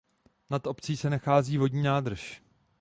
Nad obcí se nachází vodní nádrž.